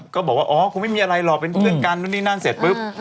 ก็บอกว่าอ๋อคงไม่มีอะไรหรอกเป็นเพื่อนกันนู่นนี่นั่นเสร็จปุ๊บ